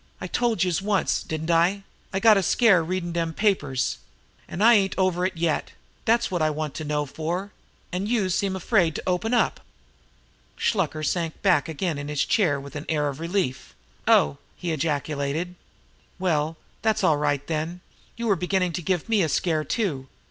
"I told youse once, didn't I? I got a scare readin' dem papers an' I ain't over it yet. Dat's wot I want to know for, an' youse seem afraid to open up!" Shluker sank back again in his chair with an air of relief. "Oh!" he ejaculated. "Well, that's all right, then. You were beginning to give me a scare, too.